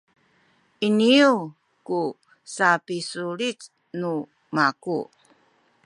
iniyu ku sapisulit nu maku